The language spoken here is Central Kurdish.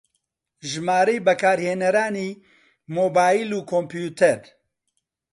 ژمارەی بەکارهێنەرانی مۆبایل و کۆمپیوتەر